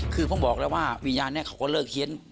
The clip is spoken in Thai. คือผมบอกแล้วว่าวิญญาณนี้เขาก็เลิกเฮียน